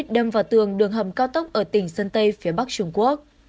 đâm vào tường đường hầm cao tốc ở tỉnh sơn tây phía bắc trung quốc